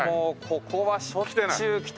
ここはしょっちゅう来てますよ。